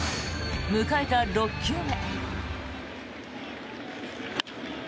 迎えた６球目。